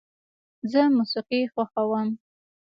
زه موسیقي خوښوم.